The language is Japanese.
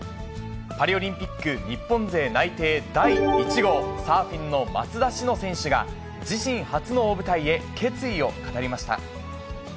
パリオリンピック日本勢内定第１号、サーフィンの松田詩野選手が自身初の大舞台へ決意を語りました。